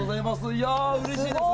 いやうれしいです。